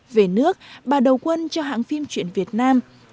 về nước bà đầu quân cho hãng phim truyện việt nam